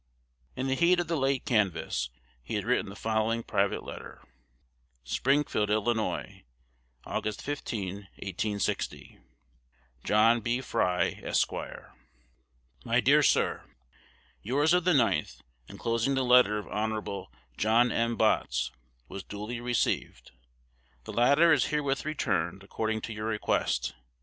In the heat of the late canvass, he had written the following private letter: Springfield, Ill., Aug. 15, 1860. John B. Fry, Esq. My dear Sir, Yours of the 9th, enclosing the letter of Hon. John M. Botts, was duly received. The latter is herewith returned, according to your request.